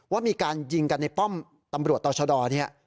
ว่ามีการยิงกันในป้อมตำรวจตชภนี้